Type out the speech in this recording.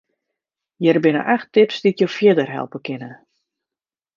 Hjir binne acht tips dy't jo fierder helpe kinne.